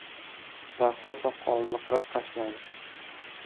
Daho soqolini qirib tashladi.